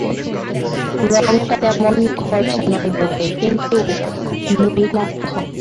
রঙটা তেমন ফর্সা নয় বটে, কিন্তু- নলিনাক্ষ।